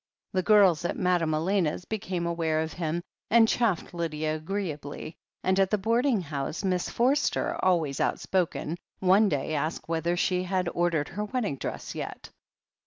The girls at Madame Elena's became aware of hirp, and chaffed Lydia agreeably, and at the boarding house Miss Forster, always outspoken, one day asked whether she had ordered her wedding dress yet.